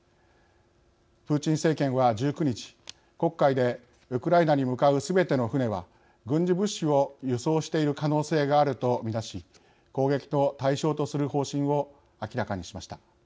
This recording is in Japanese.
プーチン政権は１９日黒海でウクライナに向かうすべての船は軍事物資を輸送している可能性があると見なし攻撃の対象とする方針を明らかにしました。